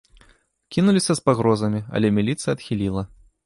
Кінуліся з пагрозамі, але міліцыя адхіліла.